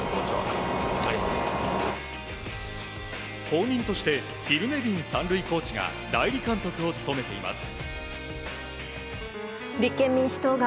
後任としてフィル・ネビン３塁コーチが代理監督を務めています。